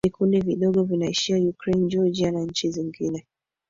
Vikundi vidogo vinaishi Ukraine Georgia na nchi zingine